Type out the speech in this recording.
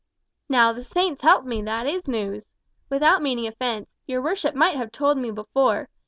"Now, the Saints help me, that is news! Without meaning offence, your worship might have told me before.